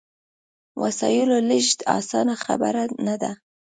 وسایلو لېږد اسانه خبره نه ده.